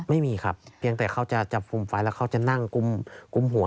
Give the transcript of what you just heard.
ไม่มีครับเพียงแต่เขาจะจับกลุ่มไฟแล้วเขาจะนั่งกุ้มหัว